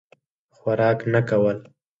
خوراک نه کول.